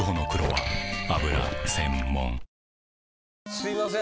すいません